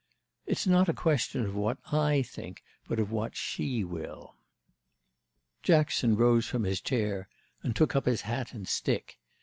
"It's not a question of what I think, but of what she will." Jackson rose from his chair and took up his hat and stick.